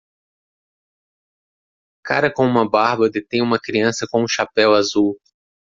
Cara com uma barba detém uma criança com um chapéu azul.